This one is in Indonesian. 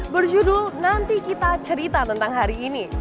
berjudul nanti kita cerita tentang hari ini